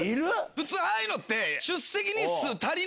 普通ああいうのって。